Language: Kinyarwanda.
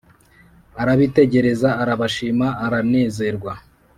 arabitegereza arabashima aranezerwa.